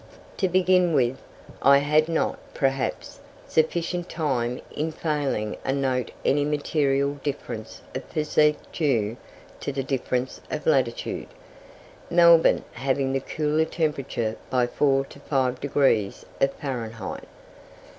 To begin with, I had not, perhaps, sufficient time in failing to note any material difference of physique due to the difference of latitude, Melbourne having the cooler temperature by 4 to 5 degrees of Fahrenheit.